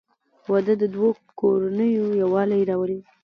• واده د دوه کورنیو یووالی راولي.